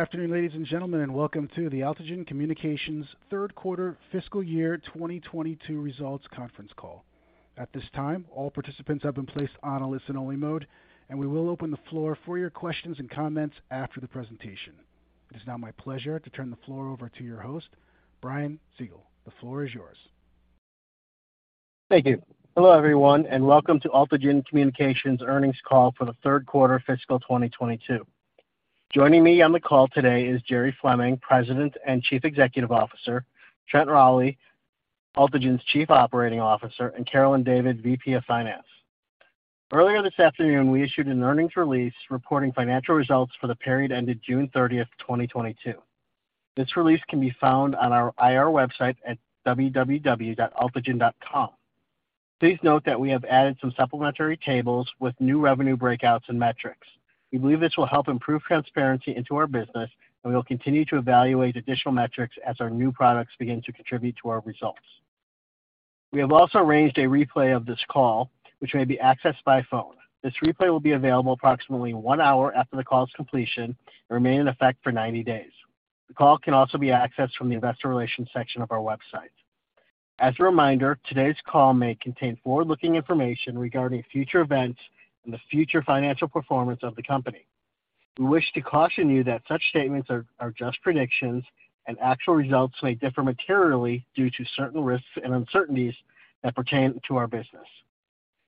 Good afternoon, ladies and gentlemen, and welcome to the Altigen Communications third quarter fiscal year 2022 results conference call. At this time, all participants have been placed on a listen only mode, and we will open the floor for your questions and comments after the presentation. It is now my pleasure to turn the floor over to your host, Brian Siegel. The floor is yours. Thank you. Hello, everyone, and welcome to Altigen Communications earnings call for the third quarter fiscal 2022. Joining me on the call today is Jeremiah Fleming, President and Chief Executive Officer, Trent Rowley, Altigen's Chief Operating Officer, and Carolyn David, VP of Finance. Earlier this afternoon, we issued an earnings release reporting financial results for the period ended June 30th, 2022. This release can be found on our IR website at www.altigen.com. Please note that we have added some supplementary tables with new revenue breakouts and metrics. We believe this will help improve transparency into our business, and we will continue to evaluate additional metrics as our new products begin to contribute to our results. We have also arranged a replay of this call, which may be accessed by phone. This replay will be available approximately one hour after the call's completion and remain in effect for 90 days. The call can also be accessed from the investor relations section of our website. As a reminder, today's call may contain forward-looking information regarding future events and the future financial performance of the company. We wish to caution you that such statements are just predictions and actual results may differ materially due to certain risks and uncertainties that pertain to our business.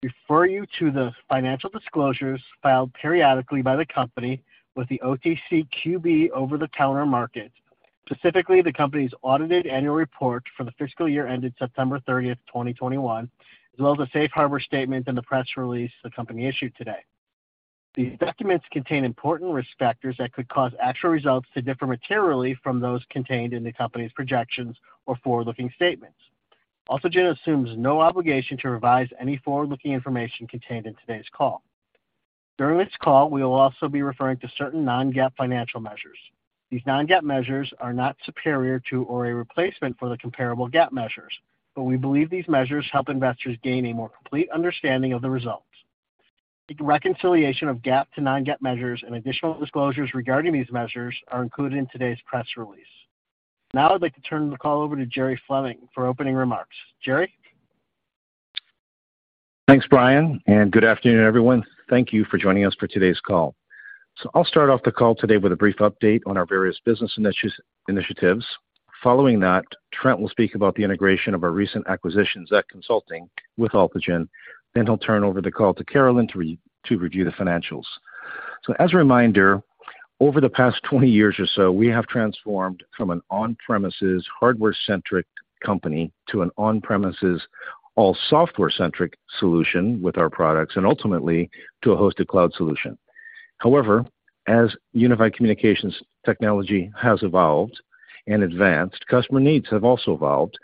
We refer you to the financial disclosures filed periodically by the company with the OTCQB over-the-counter market, specifically the company's audited annual report for the fiscal year ended September 30th, 2021, as well as a safe harbor statement in the press release the company issued today. These documents contain important risk factors that could cause actual results to differ materially from those contained in the company's projections or forward-looking statements. Altigen assumes no obligation to revise any forward-looking information contained in today's call. During this call, we will also be referring to certain non-GAAP financial measures. These non-GAAP measures are not superior to or a replacement for the comparable GAAP measures, but we believe these measures help investors gain a more complete understanding of the results. The reconciliation of GAAP to non-GAAP measures and additional disclosures regarding these measures are included in today's press release. Now I'd like to turn the call over to Jeremiah Fleming for opening remarks. Jeremiah. Thanks, Brian, and good afternoon, everyone. Thank you for joining us for today's call. I'll start off the call today with a brief update on our various business initiatives. Following that, Trent will speak about the integration of our recent acquisitions, ZAACT Consulting, with Altigen. He'll turn over the call to Carolyn to review the financials. As a reminder, over the past 20 years or so, we have transformed from an on-premises hardware-centric company to an on-premises all software-centric solution with our products and ultimately to a hosted cloud solution. However, as unified communications technology has evolved and advanced, customer needs have also evolved.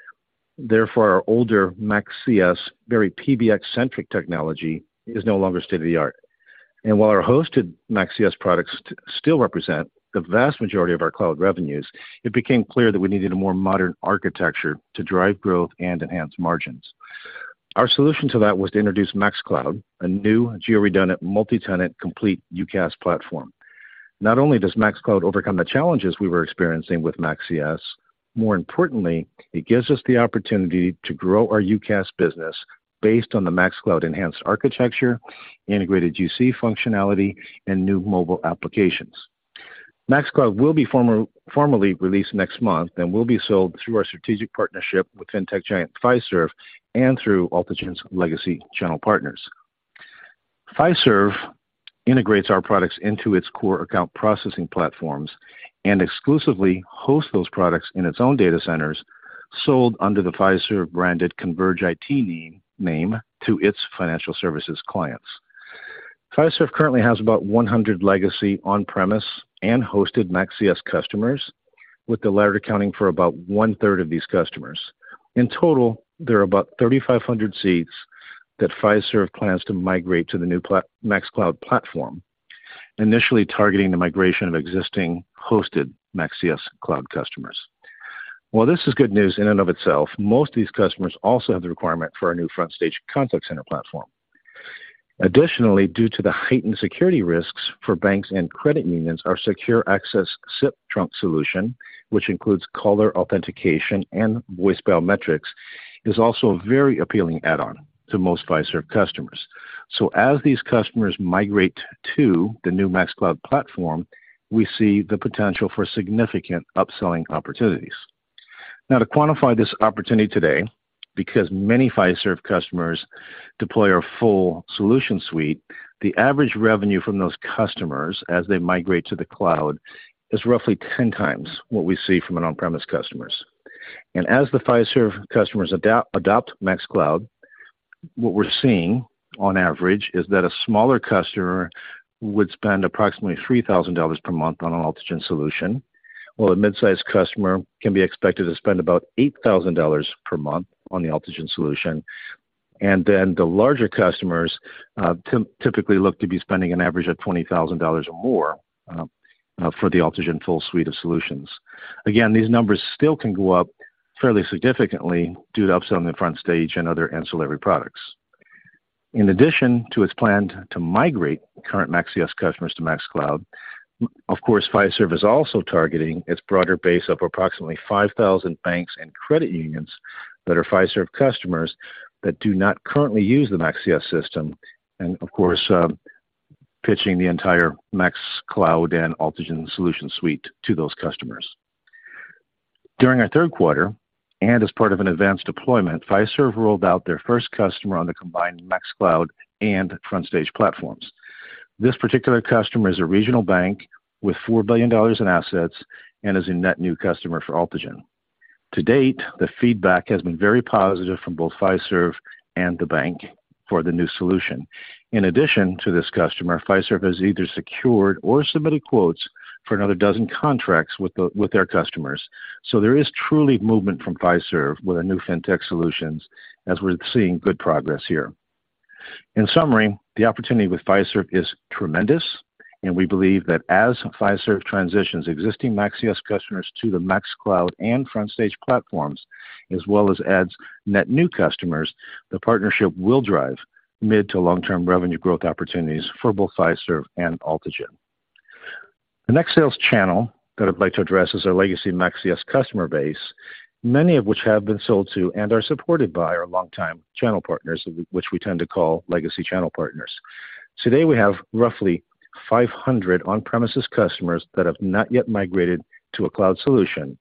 Therefore, our older MaxCS, very PBX-centric technology is no longer state-of-the-art. While our hosted MaxCS products still represent the vast majority of our cloud revenues, it became clear that we needed a more modern architecture to drive growth and enhance margins. Our solution to that was to introduce MaxCloud, a new geo-redundant, multi-tenant, complete UCaaS platform. Not only does MaxCloud overcome the challenges we were experiencing with MaxCS, more importantly, it gives us the opportunity to grow our UCaaS business based on the MaxCloud enhanced architecture, integrated UC functionality, and new mobile applications. MaxCloud will be formally released next month and will be sold through our strategic partnership with fintech giant Fiserv and through Altigen's legacy channel partners. Fiserv integrates our products into its core account processing platforms and exclusively hosts those products in its own data centers, sold under the Fiserv-branded ConvergeIT name to its financial services clients. Fiserv currently has about 100 legacy on-premise and hosted MaxCS customers, with the latter accounting for about 1/3 of these customers. In total, there are about 3,500 seats that Fiserv plans to migrate to the new MaxCloud platform, initially targeting the migration of existing hosted MaxCS cloud customers. While this is good news in and of itself, most of these customers also have the requirement for our new FrontStage contact center platform. Additionally, due to the heightened security risks for banks and credit unions, our secure access SIP trunk solution, which includes caller authentication and voicemail metrics, is also a very appealing add-on to most Fiserv customers. As these customers migrate to the new MaxCloud platform, we see the potential for significant upselling opportunities. Now, to quantify this opportunity today, because many Fiserv customers deploy our full solution suite, the average revenue from those customers as they migrate to the cloud is roughly 10 times what we see from an on-premise customers. As the Fiserv customers adopt MaxCloud, what we're seeing on average is that a smaller customer would spend approximately $3,000 per month on an Altigen solution, while a mid-size customer can be expected to spend about $8,000 per month on the Altigen solution. Then the larger customers typically look to be spending an average of $20,000 or more for the Altigen full suite of solutions. Again, these numbers still can go up fairly significantly due to upselling the FrontStage and other ancillary products. In addition to its plan to migrate current MaxCS customers to MaxCloud, of course, Fiserv is also targeting its broader base of approximately 5,000 banks and credit unions that are Fiserv customers that do not currently use the MaxCS system, and of course, pitching the entire MaxCloud and Altigen solution suite to those customers. During our third quarter and as part of an advanced deployment, Fiserv rolled out their first customer on the combined MaxCloud and FrontStage platforms. This particular customer is a regional bank with $4 billion in assets and is a net new customer for Altigen. To date, the feedback has been very positive from both Fiserv and the bank for the new solution. In addition to this customer, Fiserv has either secured or submitted quotes for another dozen contracts with their customers. There is truly movement from Fiserv with our new FinTech solutions as we're seeing good progress here. In summary, the opportunity with Fiserv is tremendous, and we believe that as Fiserv transitions existing MaxCS customers to the MaxCloud and FrontStage platforms, as well as adds net new customers, the partnership will drive mid- to long-term revenue growth opportunities for both Fiserv and Altigen. The next sales channel that I'd like to address is our legacy MaxCS customer base, many of which have been sold to and are supported by our longtime channel partners, which we tend to call legacy channel partners. Today, we have roughly 500 on-premises customers that have not yet migrated to a cloud solution,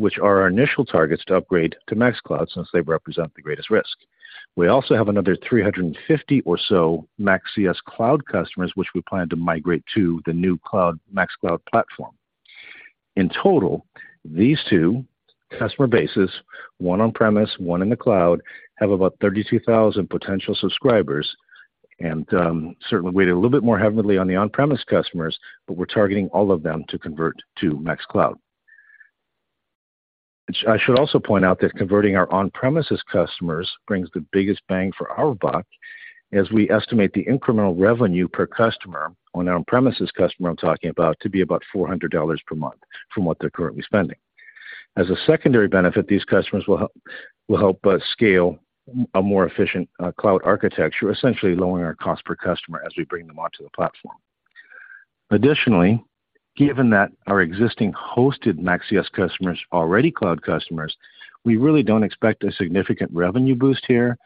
which are our initial targets to upgrade to MaxCloud since they represent the greatest risk. We also have another 350 or so MaxUC cloud customers, which we plan to migrate to the new cloud, MaxCloud platform. In total, these two customer bases, one on-premises, one in the cloud, have about 32,000 potential subscribers, and certainly weighted a little bit more heavily on the on-premises customers, but we're targeting all of them to convert to MaxCloud. Which I should also point out that converting our on-premises customers brings the biggest bang for our buck, as we estimate the incremental revenue per customer on our on-premises customer, I'm talking about, to be about $400 per month from what they're currently spending. As a secondary benefit, these customers will help us scale a more efficient cloud architecture, essentially lowering our cost per customer as we bring them onto the platform. Additionally, given that our existing hosted MaxCS customers are already cloud customers, we really don't expect a significant revenue boost here.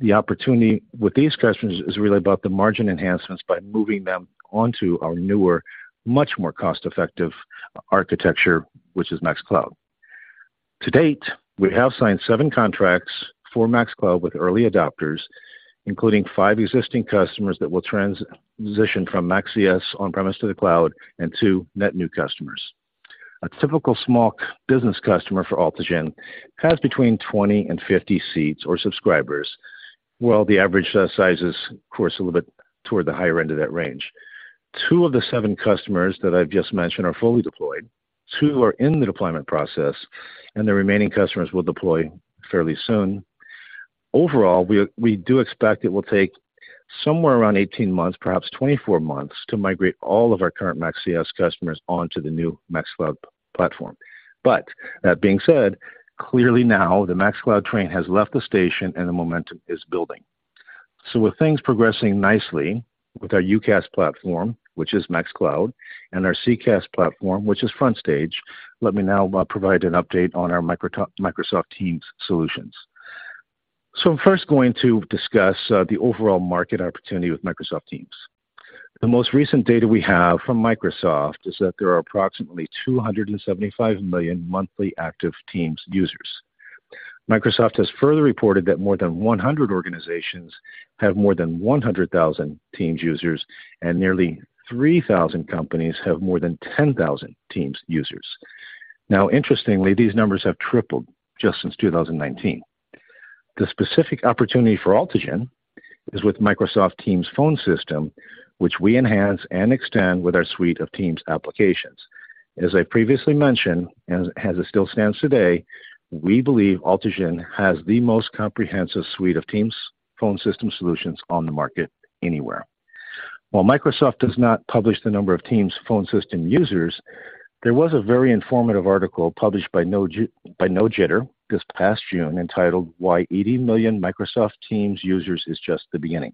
The opportunity with these customers is really about the margin enhancements by moving them onto our newer, much more cost-effective architecture, which is MaxCloud. To date, we have signed seven contracts for MaxCloud with early adopters, including five existing customers that will transition from MaxCS on-premise to the cloud and two net new customers. A typical small business customer for Altigen has between 20 and 50 seats or subscribers, while the average size is, of course, a little bit toward the higher end of that range. Two of the seven customers that I've just mentioned are fully deployed, two are in the deployment process, and the remaining customers will deploy fairly soon. Overall, we do expect it will take somewhere around 18 months, perhaps 24 months to migrate all of our current MaxCS customers onto the new MaxCloud platform. That being said, clearly now the MaxCloud train has left the station and the momentum is building. With things progressing nicely with our UCaaS platform, which is MaxCloud, and our CCaaS platform, which is FrontStage, let me now provide an update on our Microsoft Teams solutions. I'm first going to discuss the overall market opportunity with Microsoft Teams. The most recent data we have from Microsoft is that there are approximately 275 million monthly active Teams users. Microsoft has further reported that more than 100 organizations have more than 100,000 Teams users, and nearly 3,000 companies have more than 10,000 Teams users. Now, interestingly, these numbers have tripled just since 2019. The specific opportunity for Altigen is with Microsoft Teams Phone, which we enhance and extend with our suite of Teams applications. As I previously mentioned, and as it still stands today, we believe Altigen has the most comprehensive suite of Teams Phone solutions on the market anywhere. While Microsoft does not publish the number of Teams Phone System users, there was a very informative article published by No Jitter this past June entitled "Why 80 Million Microsoft Teams Users Is Just the Beginning."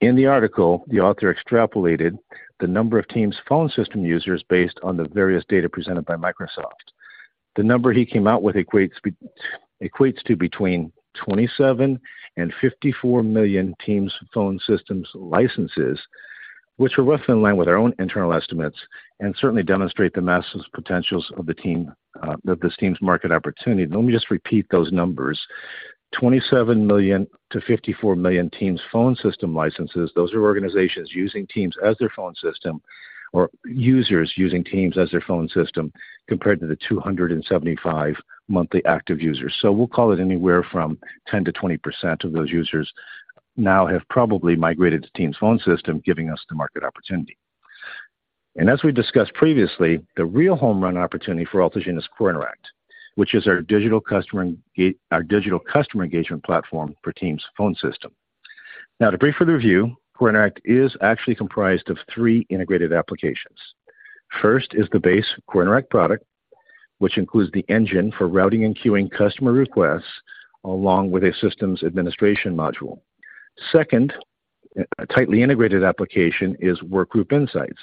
In the article, the author extrapolated the number of Teams Phone System users based on the various data presented by Microsoft. The number he came out with equates to between 27 and 54 million Teams Phone System licenses, which are roughly in line with our own internal estimates and certainly demonstrate the massive potential of the Teams market opportunity. Let me just repeat those numbers 27 million- 54 million Teams Phone System licenses. Those are organizations using Teams as their phone system or users using Teams as their phone system, compared to the 275 monthly active users. We'll call it anywhere from 10%-20% of those users now have probably migrated to Teams Phone, giving us the market opportunity. As we discussed previously, the real home run opportunity for Altigen is CoreInteract, which is our digital customer engagement platform for Teams Phone. Now, to brief for the review, CoreInteract is actually comprised of three integrated applications. First is the base CoreInteract product, which includes the engine for routing and queuing customer requests along with a systems administration module. Second, a tightly integrated application is Workgroup Insights,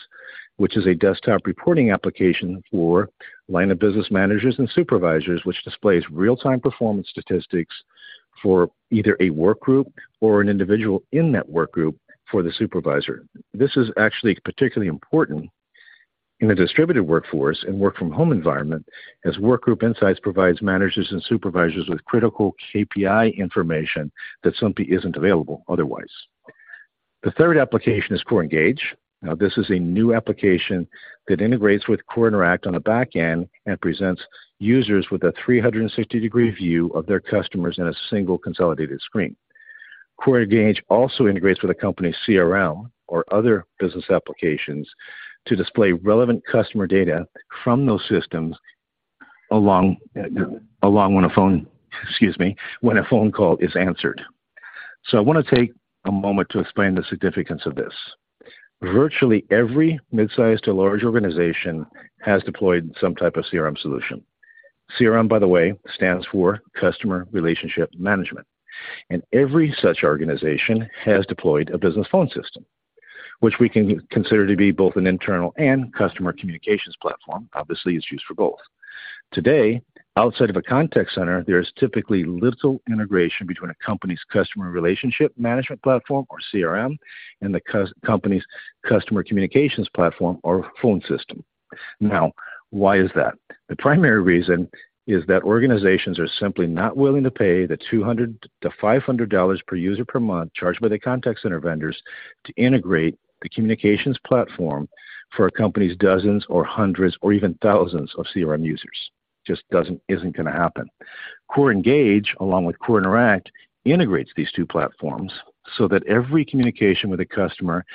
which is a desktop reporting application for line of business managers and supervisors, which displays real-time performance statistics for either a work group or an individual in that work group for the supervisor. This is actually particularly important in a distributed workforce and work-from-home environment as Workgroup Insights provides managers and supervisors with critical KPI information that simply isn't available otherwise. The third application is CoreEngage. Now, this is a new application that integrates with CoreInteract on the back end and presents users with a 360-degree view of their customers in a single consolidated screen. CoreEngage also integrates with a company's CRM or other business applications to display relevant customer data from those systems along when a phone call is answered. I want to take a moment to explain the significance of this. Virtually every mid-sized to large organization has deployed some type of CRM solution. CRM, by the way, stands for Customer Relationship Management, and every such organization has deployed a business phone system, which we can consider to be both an internal and customer communications platform. Obviously, it's used for both. Today, outside of a contact center, there is typically little integration between a company's Customer Relationship Management Platform or CRM and the company's Customer Communications Platform or Phone System. Now why is that? The primary reason is that organizations are simply not willing to pay $200-$500 per user per month charged by the contact center vendors to integrate the communications platform for a company's dozens or hundreds or even thousands of CRM users. Just isn't gonna happen. CoreEngage, along with CoreInteract, integrates these two platforms so that every communication with a customer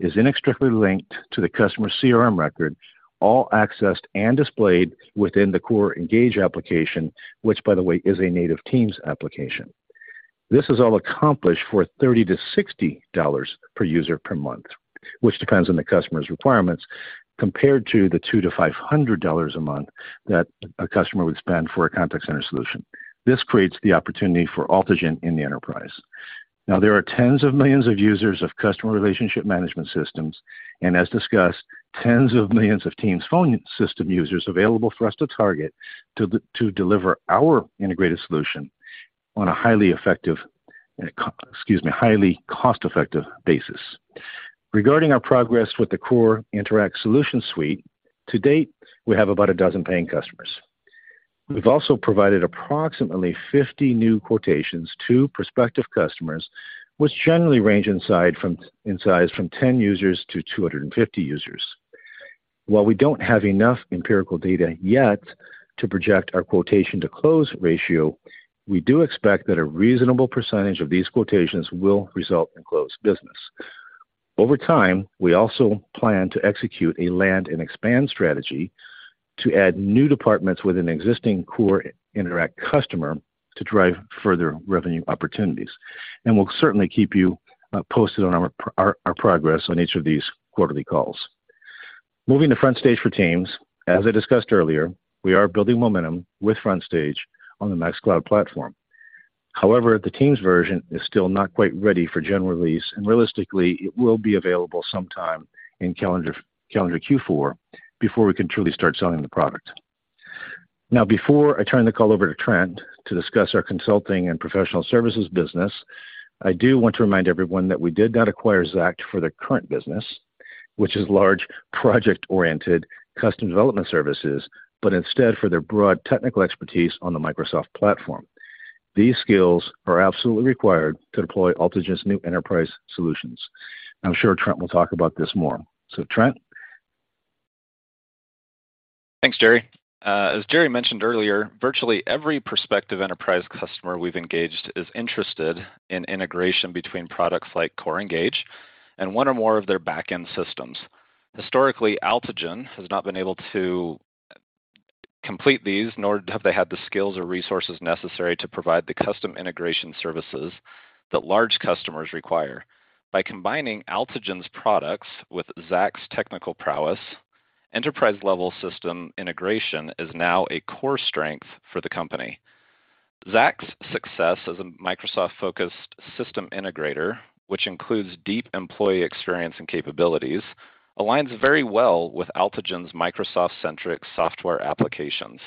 is inextricably linked to the customer's CRM record, all accessed and displayed within the CoreEngage application, which, by the way, is a native Teams application. This is all accomplished for $30-$60 per user per month, which depends on the customer's requirements, compared to the $200-$500 a month that a customer would spend for a contact center solution. This creates the opportunity for Altigen in the enterprise. Now, there are 10s of millions of users of customer relationship management systems, and as discussed, 10s of millions of Teams Phone System users available for us to target to deliver our integrated solution on a highly cost-effective basis. Regarding our progress with the CoreInteract solution suite, to date, we have about 12 paying customers. We've also provided approximately 50 new quotations to prospective customers, which generally range in size from 10 users to 250 users. While we don't have enough empirical data yet to project our quotation to close ratio, we do expect that a reasonable percentage of these quotations will result in closed business. Over time, we also plan to execute a land and expand strategy to add new departments with an existing CoreInteract customer to drive further revenue opportunities. We'll certainly keep you posted on our progress on each of these quarterly calls. Moving to FrontStage for Teams, as I discussed earlier, we are building momentum with FrontStage on the MaxCloud platform. However, the Teams version is still not quite ready for general release, and realistically, it will be available sometime in calendar Q4 before we can truly start selling the product. Now, before I turn the call over to Trent to discuss our consulting and professional services business, I do want to remind everyone that we did not acquire ZAACT for their current business, which is large project-oriented custom development services, but instead for their broad technical expertise on the Microsoft platform. These skills are absolutely required to deploy Altigen's new enterprise solutions. I'm sure Trent will talk about this more. So Trent? Thanks, Jeremiah. As Jerry mentioned earlier, virtually every prospective enterprise customer we've engaged is interested in integration between products like CoreEngage and one or more of their back-end systems. Historically, Altigen has not been able to complete these, nor have they had the skills or resources necessary to provide the custom integration services that large customers require. By combining Altigen's products with ZAACT's technical prowess, enterprise-level system integration is now a core strength for the company. ZAACT's success as a Microsoft-focused system integrator, which includes deep employee experience and capabilities, aligns very well with Altigen's Microsoft-centric software applications.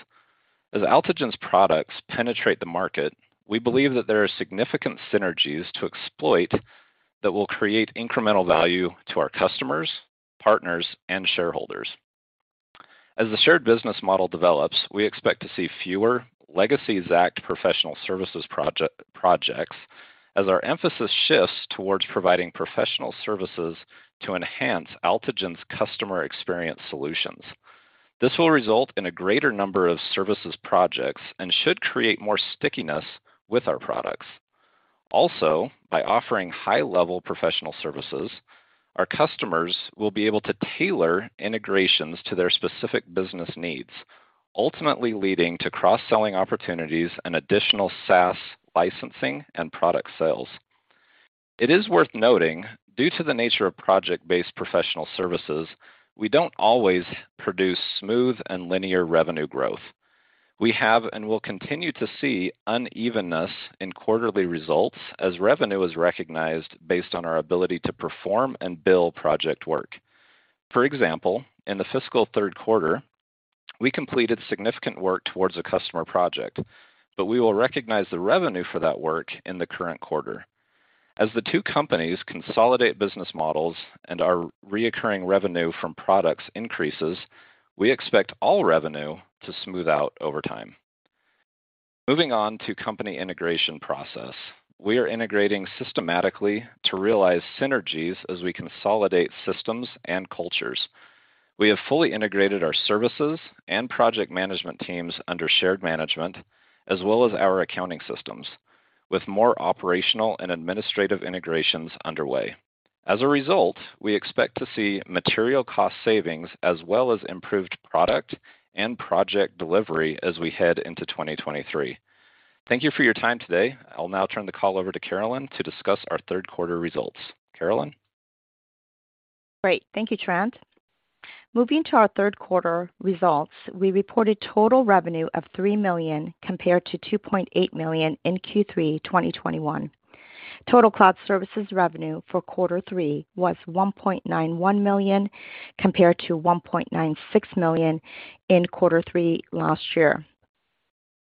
As Altigen's products penetrate the market, we believe that there are significant synergies to exploit that will create incremental value to our customers, partners, and shareholders. As the shared business model develops, we expect to see fewer legacy ZAACT professional services projects as our emphasis shifts towards providing professional services to enhance Altigen's customer experience solutions. This will result in a greater number of services projects and should create more stickiness with our products. Also, by offering high-level professional services, our customers will be able to tailor integrations to their specific business needs, ultimately leading to cross-selling opportunities and additional SaaS licensing and product sales. It is worth noting, due to the nature of project-based professional services, we don't always produce smooth and linear revenue growth. We have and will continue to see unevenness in quarterly results as revenue is recognized based on our ability to perform and bill project work. For example, in the fiscal third quarter, we completed significant work towards a customer project, but we will recognize the revenue for that work in the current quarter. As the two companies consolidate business models and our recurring revenue from products increases, we expect all revenue to smooth out over time. Moving on to company integration process. We are integrating systematically to realize synergies as we consolidate systems and cultures. We have fully integrated our services and project management teams under shared management, as well as our accounting systems, with more operational and administrative integrations underway. As a result, we expect to see material cost savings as well as improved product and project delivery as we head into 2023. Thank you for your time today. I'll now turn the call over to Carolyn to discuss our third quarter results. Carolyn? Great. Thank you, Trent. Moving to our third quarter results, we reported total revenue of $3 million compared to $2.8 million in Q3 2021. Total cloud services revenue for quarter three was $1.91 million compared to $1.96 million in quarter three last year.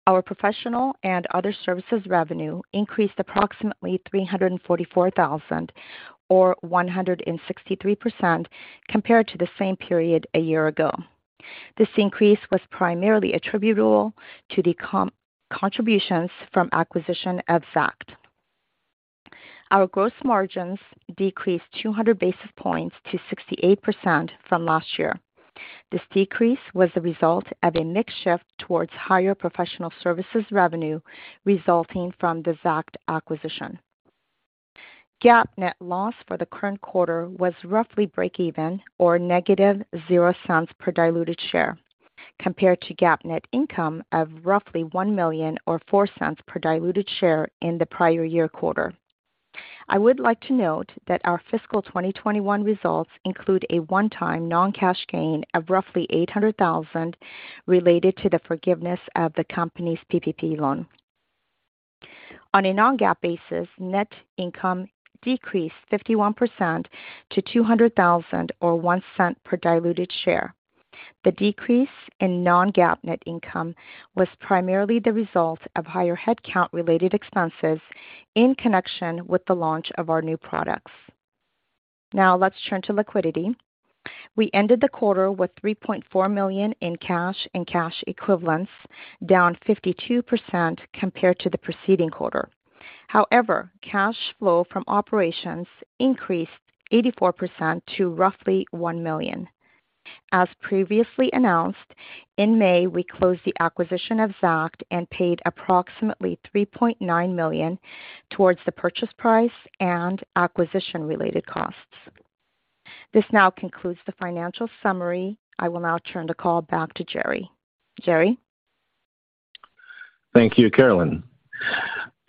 Our professional and other services revenue increased approximately $344,000 or 163% compared to the same period a year ago. This increase was primarily attributable to the contributions from acquisition of ZAACT. Our gross margins decreased 200 basis points to 68% from last year. This decrease was the result of a mix shift towards higher professional services revenue resulting from the ZAACT acquisition. GAAP net loss for the current quarter was roughly break even or negative $0.00 per diluted share, compared to GAAP net income of roughly $1 million or $0.04 per diluted share in the prior year quarter. I would like to note that our fiscal 2021 results include a one-time non-cash gain of roughly $800,000 related to the forgiveness of the company's PPP loan. On a non-GAAP basis, net income decreased 51% to $200,000 or $0.01 per diluted share. The decrease in non-GAAP net income was primarily the result of higher headcount related expenses in connection with the launch of our new products. Now let's turn to liquidity. We ended the quarter with $3.4 million in cash and cash equivalents, down 52% compared to the preceding quarter. However, cash flow from operations increased 84% to roughly $1 million. As previously announced, in May, we closed the acquisition of ZAACT and paid approximately $3.9 million towards the purchase price and acquisition-related costs. This now concludes the financial summary. I will now turn the call back to Jeremiah. Jeremiah? Thank you, Carolyn.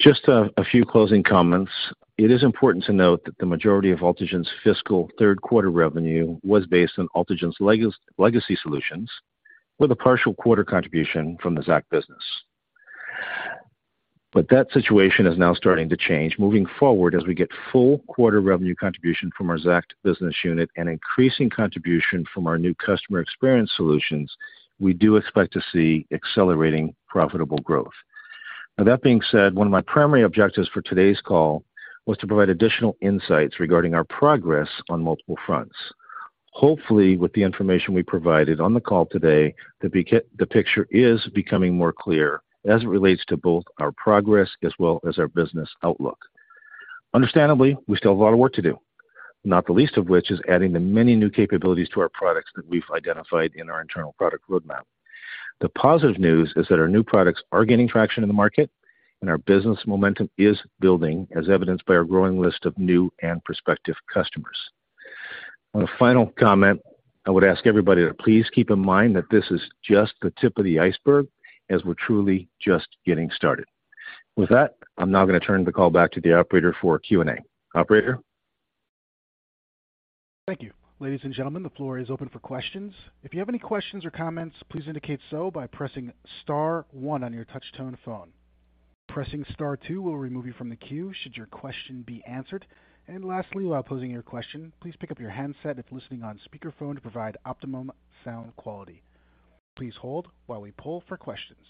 Just a few closing comments. It is important to note that the majority of Altigen's fiscal third quarter revenue was based on Altigen's legacy solutions with a partial quarter contribution from the ZAACT business. That situation is now starting to change. Moving forward, as we get full quarter revenue contribution from our ZAACT business unit and increasing contribution from our new customer experience solutions, we do expect to see accelerating profitable growth. Now, that being said, one of my primary objectives for today's call was to provide additional insights regarding our progress on multiple fronts. Hopefully, with the information we provided on the call today, the picture is becoming more clear as it relates to both our progress as well as our business outlook. Understandably, we still have a lot of work to do, not the least of which is adding the many new capabilities to our products that we've identified in our internal product roadmap. The positive news is that our new products are gaining traction in the market, and our business momentum is building, as evidenced by our growing list of new and prospective customers. On a final comment, I would ask everybody to please keep in mind that this is just the tip of the iceberg as we're truly just getting started. With that, I'm now gonna turn the call back to the operator for Q&A. Operator? Thank you. Ladies and gentlemen, the floor is open for questions. If you have any questions or comments, please indicate so by pressing star one on your touch tone phone. Pressing star two will remove you from the queue should your question be answered. Lastly, while posing your question, please pick up your handset if listening on speaker phone to provide optimum sound quality. Please hold while we poll for questions.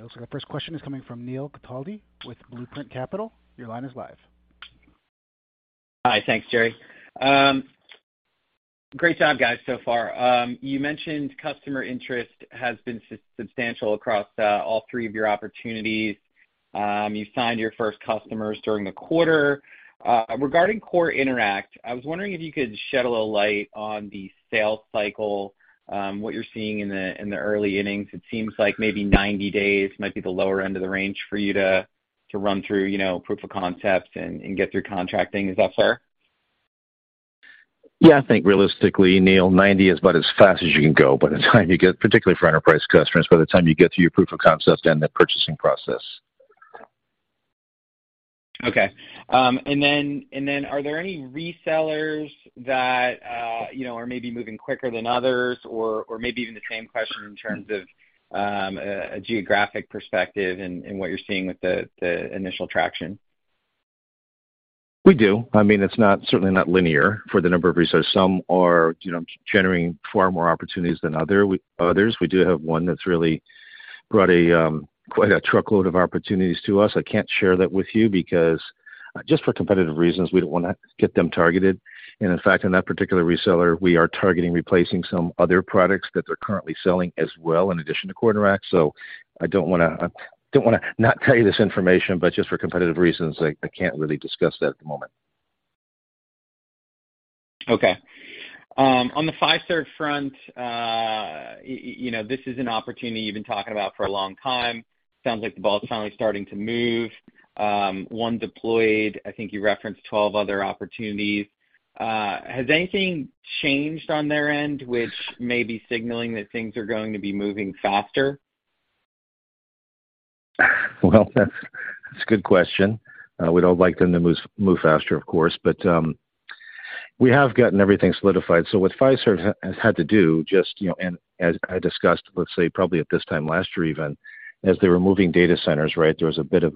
The first question is coming from Neil Cataldi with Blueprint Capital. Your line is live. Hi. Thanks, Jeremiah. Great job, guys, so far. You mentioned customer interest has been substantial across all three of your opportunities. You signed your first customers during the quarter. Regarding CoreInteract, I was wondering if you could shed a little light on the sales cycle, what you're seeing in the early innings. It seems like maybe 90 days might be the lower end of the range for you to run through, you know, proof of concept and get through contracting. Is that fair? Yeah, I think realistically, Neil, 90 is about as fast as you can go by the time you get, particularly for enterprise customers, by the time you get to your proof of concept and the purchasing process. Okay. Are there any resellers that, you know, are maybe moving quicker than others? Or maybe even the same question in terms of a geographic perspective and what you're seeing with the initial traction. We do. I mean, it's not certainly not linear for a number of reasons. Some are, you know, generating far more opportunities than others. We do have one that's really brought quite a truckload of opportunities to us. I can't share that with you because just for competitive reasons, we don't wanna get them targeted. In fact, in that particular reseller, we are targeting replacing some other products that they're currently selling as well in addition to CoreInteract. So I don't wanna not tell you this information, but just for competitive reasons, I can't really discuss that at the moment. Okay. On the Fiserv front, you know, this is an opportunity you've been talking about for a long time. Sounds like the ball's finally starting to move. One deployed, I think you referenced 12 other opportunities. Has anything changed on their end which may be signaling that things are going to be moving faster? Well, that's a good question. We'd all like them to move faster, of course. We have gotten everything solidified. What Fiserv has had to do just, you know, and as I discussed, let's say probably at this time last year even, as they were moving data centers, right? There was a bit of,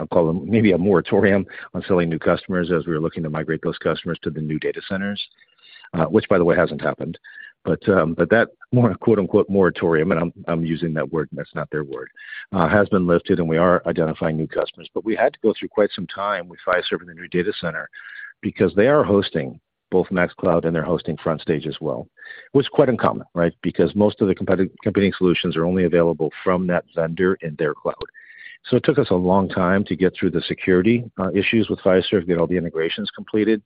I'll call them maybe a moratorium on selling new customers as we were looking to migrate those customers to the new data centers, which by the way, hasn't happened. That more quote-unquote, "moratorium," and I'm using that word and that's not their word, has been lifted and we are identifying new customers. We had to go through quite some time with Fiserv and the new data center because they are hosting both MaxCloud and they're hosting FrontStage as well, which is quite uncommon, right? Because most of the competing solutions are only available from that vendor in their cloud. It took us a long time to get through the security issues with Fiserv, get all the integrations completed.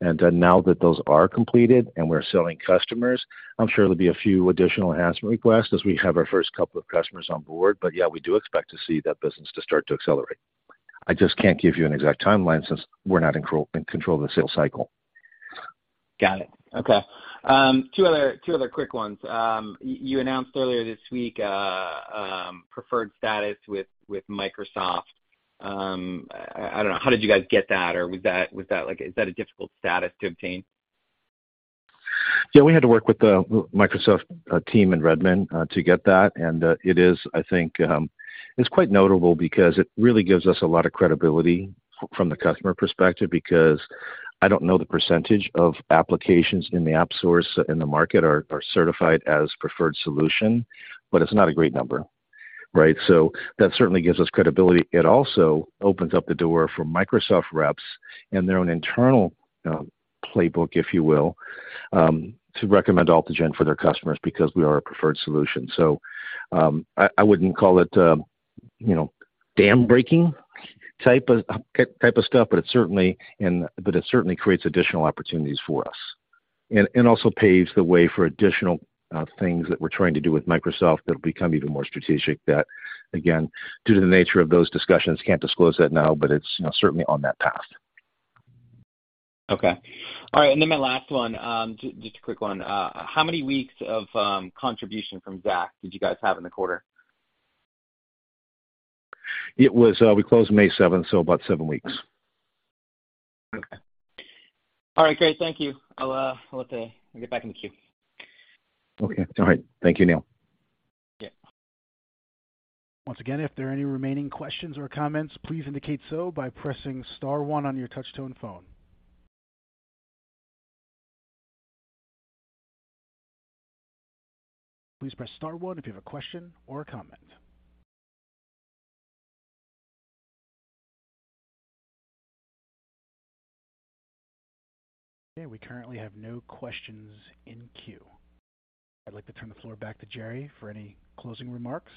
Now that those are completed and we're selling customers, I'm sure there'll be a few additional enhancement requests as we have our first couple of customers on board. Yeah, we do expect to see that business to start to accelerate. I just can't give you an exact timeline since we're not in control of the sales cycle. Got it. Okay. Two other quick ones. You announced earlier this week, preferred status with Microsoft. I don't know, how did you guys get that? Or was that like, is that a difficult status to obtain? Yeah, we had to work with the Microsoft Team in Redmond to get that. It is, I think, it's quite notable because it really gives us a lot of credibility from the customer perspective, because I don't know the percentage of applications in the AppSource in the market are certified as preferred solution, but it's not a great number, right? That certainly gives us credibility. It also opens up the door for Microsoft reps and their own internal playbook, if you will, to recommend Altigen for their customers because we are a preferred solution. I wouldn't call it, you know, dam-breaking type of stuff, but it certainly creates additional opportunities for us and also paves the way for additional things that we're trying to do with Microsoft that'll become even more strategic that again, due to the nature of those discussions, can't disclose that now, but it's, you know, certainly on that path. Okay. All right, my last one, just a quick one. How many weeks of contribution from ZAACT did you guys have in the quarter? It was. We closed May 7th, so about seven weeks. Okay. All right, great. Thank you. I'll get back in the queue. Okay. All right. Thank you, Neil. Yeah. Once again, if there are any remaining questions or comments, please indicate so by pressing star one on your touch tone phone. Please press star one if you have a question or a comment. Okay, we currently have no questions in queue. I'd like to turn the floor back to Jeremiah Fleming for any closing remarks.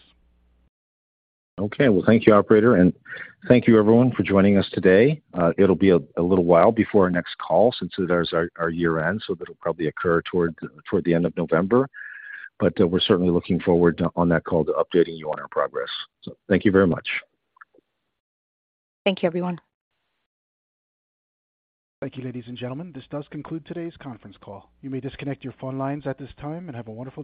Okay. Well, thank you, operator, and thank you everyone for joining us today. It'll be a little while before our next call since it is our year-end, so it'll probably occur toward the end of November. We're certainly looking forward on that call to updating you on our progress. Thank you very much. Thank you, everyone. Thank you, ladies and gentlemen, this does conclude today's conference call. You may disconnect your phone lines at this time and have a wonderful day.